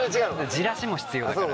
じらしも必要だから。